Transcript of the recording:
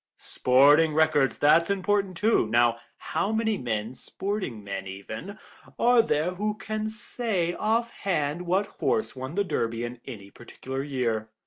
"Sporting records, that's important, too; now how many men, sporting men even, are there who can say off hand what horse won the Derby in any particular year?